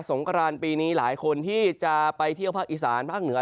งกรานปีนี้หลายคนที่จะไปเที่ยวภาคอีสานภาคเหนือ